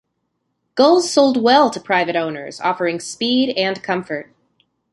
Gulls sold well to private owners, offering speed and comfort.